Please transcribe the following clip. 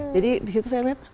jadi disitu saya lihat